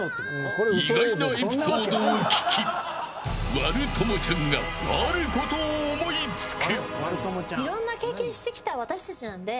意外なエピソードを聞き悪朋ちゃんがあることを思いつく。